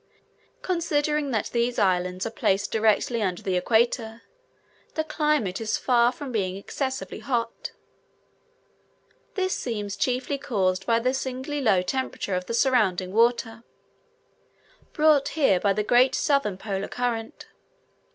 Considering that these islands are placed directly under the equator, the climate is far from being excessively hot; this seems chiefly caused by the singularly low temperature of the surrounding water, brought here by the great southern [map] Polar current.